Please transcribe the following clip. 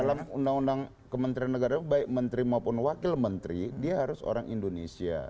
dalam undang undang kementerian negara baik menteri maupun wakil menteri dia harus orang indonesia